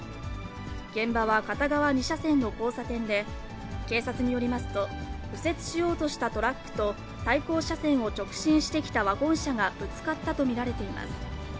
現場は片側２車線の交差点で、警察によりますと、右折しようとしたトラックと、対向車線を直進してきたワゴン車がぶつかったと見られています。